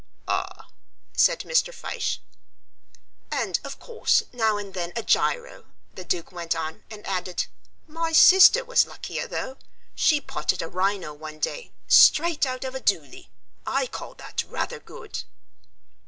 "Ah," said Mr. Fyshe. "And, of course, now and then a giro," the Duke went on, and added, "My sister was luckier, though; she potted a rhino one day, straight out of a doolie; I call that rather good."